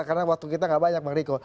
karena waktu kita gak banyak bang riko